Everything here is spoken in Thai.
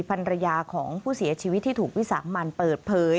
ภรรยาของผู้เสียชีวิตที่ถูกวิสามันเปิดเผย